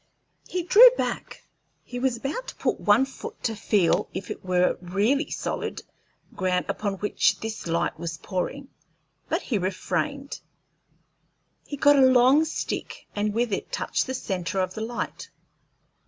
He drew back; he was about to put out one foot to feel if it were really solid ground upon which this light was pouring, but he refrained. He got a long stick, and with it touched the centre of the light.